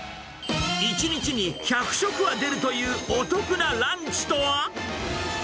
１日に１００食は出るというお得なランチとは？